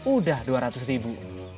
udah dua ratus ribu